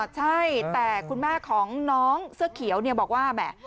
ใช่แต่คุณแม่ของน้องเสื้อเขียวบอกว่าแหม